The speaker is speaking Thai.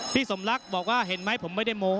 พี่สมรักบอกว่าเห็นไหมผมไม่ได้โม